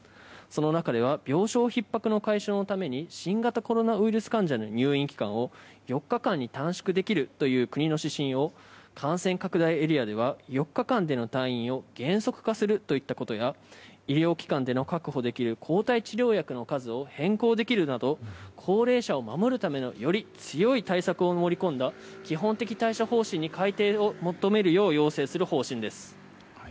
その中では病床ひっ迫の解消のために新型コロナウイルス患者の入院期間を４日間に短縮できるという国の指針を感染拡大エリアでは４日間の退院を原則化するといったことや確保できる抗体治療薬の数を変更できるなど高齢者を守るためのより強い対策を盛り込んだ基本的対処方針に改定を求めるよう要請する方針です。